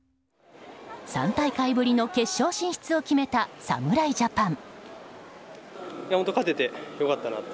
３大会ぶりの決勝進出を決めた侍ジャパン。